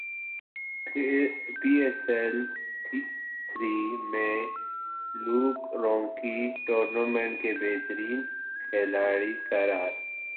پی S L three میں Luke Ronchi tournament کے بہترین کھلاڑی قرار